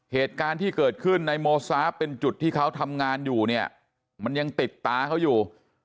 เหตุการณ์ที่เกิดขึ้นในโมซาฟเป็นจุดที่เขาทำงานอยู่เนี่ยมันยังติดตาเขาอยู่